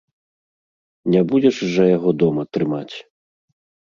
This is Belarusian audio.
Не будзеш жа яго дома трымаць!